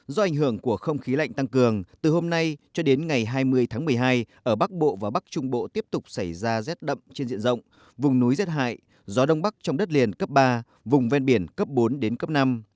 do ảnh hưởng của không khí lạnh tăng cường từ hôm nay cho đến ngày hai mươi tháng một mươi hai ở bắc bộ và bắc trung bộ tiếp tục xảy ra rét đậm trên diện rộng vùng núi rét hại gió đông bắc trong đất liền cấp ba vùng ven biển cấp bốn đến cấp năm